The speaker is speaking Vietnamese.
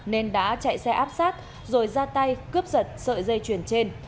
nên đã chạy xe áp sát rồi ra tay cướp giật sợi dây chuyền trên